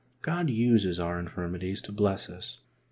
God uses our infirmities to bless us.